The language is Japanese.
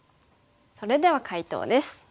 それでは解答です。